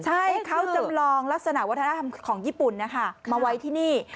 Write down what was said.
ใช่เขาจำลองลักษณะวัฒนธรรมของญี่ปุ่นนะคะมาไว้ที่นี่